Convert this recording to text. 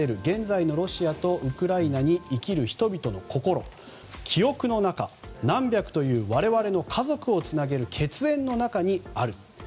現在のロシアとウクライナに生きる人々の心記憶の中、何百という我々の家族をつなげる血縁の中にある。